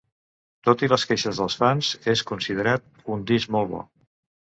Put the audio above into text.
Tot i les queixes dels fans, és considerat un disc molt bo.